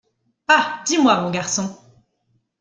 Ah ! dis-moi, mon garçon…